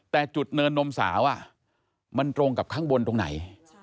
แต่จุดเนินนมสาวมันตรงกับข้างบนตรงไหน